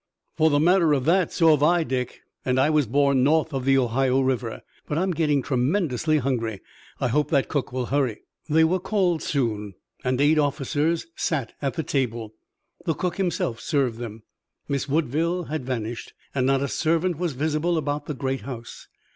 "For the matter of that, so've I, Dick, and I was born north of the Ohio River. But I'm getting tremendously hungry. I hope that cook will hurry." They were called soon, and eight officers sat at the table. The cook himself served them. Miss Woodville had vanished, and not a servant was visible about the great house.